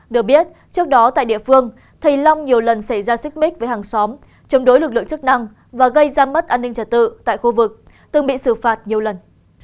được biết trước đó tại địa phương thầy long nhiều lần xảy ra xích mích với hàng xóm chống đối lực lượng chức năng và gây ra mất an ninh trả tự tại khu vực từng bị xử phạt nhiều lần